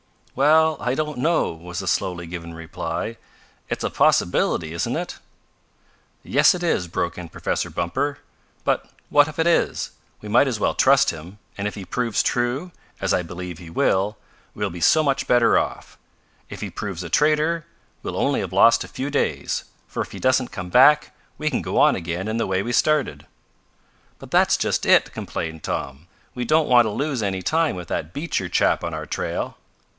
"Well, I don't know," was the slowly given reply. "It's a possibility, isn't it?" "Yes, it is," broke in Professor Bumper. "But what if it is? We might as well trust him, and if he proves true, as I believe he will, we'll be so much better off. If he proves a traitor we'll only have lost a few days, for if he doesn't come back we can go on again in the way we started." "But that's just it!" complained Tom. "We don't want to lose any time with that Beecher chap on our trail."